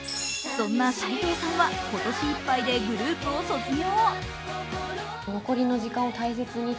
そんな齋藤さんは今年いっぱいでグループを卒業。